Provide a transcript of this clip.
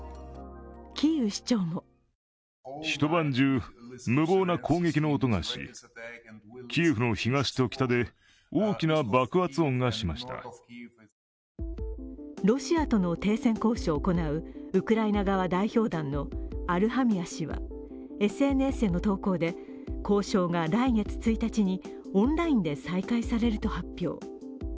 キーウ市長もロシアとの停戦交渉を行うウクライナ側代表団のアルハミア氏はＳＮＳへの投稿で交渉が来月１日にオンラインで再開されると発表。